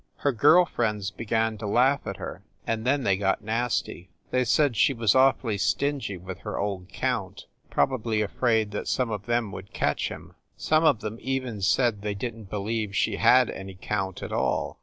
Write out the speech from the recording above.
Her girl friends began to laugh at her, and then they got nasty. They said she was awfully stingy with her old count, prob ably afraid that some of them would catch him. Some of them even said they didn t believe she had any count at all.